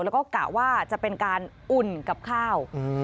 แล้วก็กะว่าจะเป็นการอุ่นกับข้าว